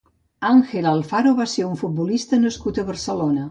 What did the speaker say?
Ángel Alfaro va ser un futbolista nascut a Barcelona.